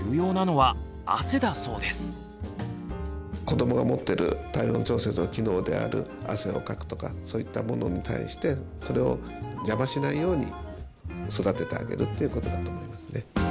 子どもが持ってる体温調節の機能である汗をかくとかそういったものに対してそれを邪魔しないように育ててあげるっていうことだと思いますね。